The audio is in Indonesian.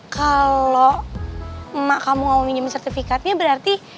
kalau emak kamu gak mau minjemin sertifikatnya berarti